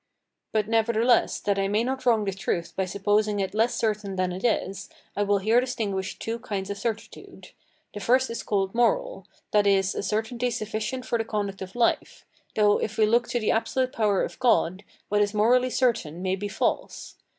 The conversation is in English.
But nevertheless, that I may not wrong the truth by supposing it less certain than it is, I will here distinguish two kinds of certitude. The first is called moral, that is, a certainty sufficient for the conduct of life, though, if we look to the absolute power of God, what is morally certain may be false.